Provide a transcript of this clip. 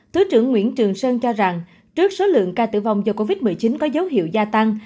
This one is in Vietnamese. thứ trưởng nguyễn trường sơn cho rằng trước số lượng ca tử vong do covid một mươi chín có dấu hiệu gia tăng